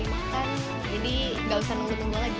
iya terima kasih